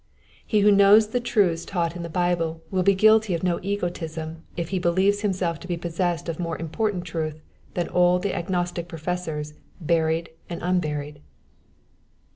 He who knows the truths taught in the Bible will be guilty of no egotism if he believes himself to be possessed of more important truth than all the agnostic professors buried and un buried.